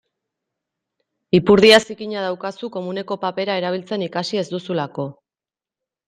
Ipurdia zikina daukazu komuneko papera erabiltzen ikasi ez duzulako.